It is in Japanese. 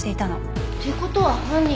って事は犯人